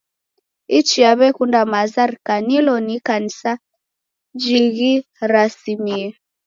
Ichia w'ekunda maza rikanilo ni Ikanisa jighirasimie.